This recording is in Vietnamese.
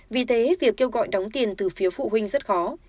vì thế việc kêu gọi đóng tiền từ phía phụ huynh rất khó